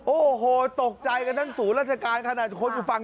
โอ้โหตกใจกันทั้งสู่ราชการท่านหากทุกคนอยู่ฝั่ง